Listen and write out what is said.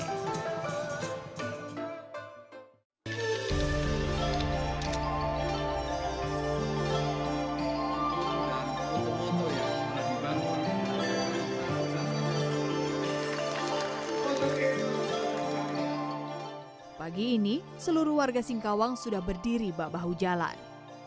pada pagi ini seluruh warga singkawang sudah berdiri bak bahu jalan